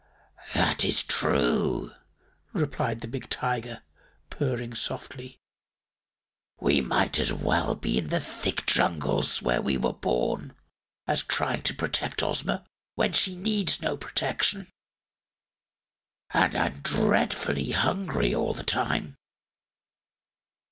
"That is true," replied the big Tiger, purring softly. "We might as well be in the thick jungles where we were born, as trying to protect Ozma when she needs no protection. And I'm dreadfully hungry all the time."